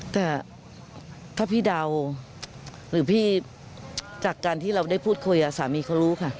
แต่ถ้าพี่เดาหรือพี่จากการที่เราได้พูดคุยสามีเขารู้ค่ะ